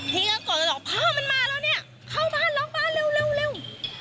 พี่ก็กดแล้วพ่อมันมาแล้วเนี้ยเข้าบ้านล็อกบ้านเร็วเร็วเร็ว